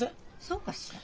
そうかしら？